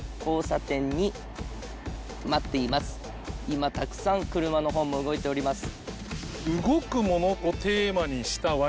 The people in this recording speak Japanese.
今たくさん車の方も動いております。